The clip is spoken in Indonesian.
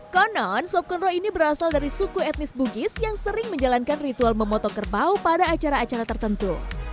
konon sob conro ini berasal dari suku etnis bugis yang sering menjalankan ritual memotong kerbau pada acara acara tertentu